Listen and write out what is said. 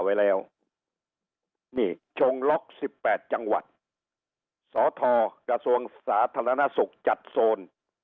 ไว้แล้วนี่ชงล็อกสิบแปดจังหวัดสทกระทรวงสาธารณสุขจัดโซน